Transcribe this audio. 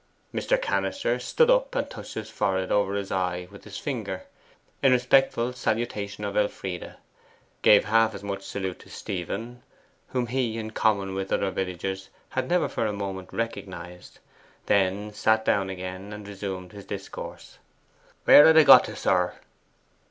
Mr. Cannister stood up and touched his forehead over his eye with his finger, in respectful salutation of Elfride, gave half as much salute to Stephen (whom he, in common with other villagers, had never for a moment recognized), then sat down again and resumed his discourse. 'Where had I got on to, sir?